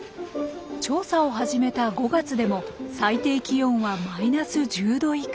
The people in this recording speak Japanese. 調査を始めた５月でも最低気温はマイナス１０度以下。